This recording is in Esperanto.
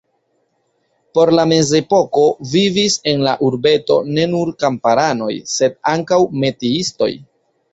Post la mezepoko vivis en la urbeto ne nur kamparanoj, sed ankaŭ metiistoj.